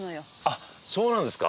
あっそうなんですか？